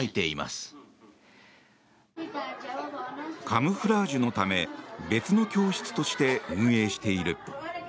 カムフラージュのため別の教室として運営している。